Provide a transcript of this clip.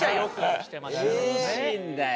厳しいんだよ